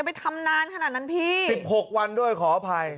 ไปทำนานขนาดนั้นพี่๑๖วันด้วยขออภัย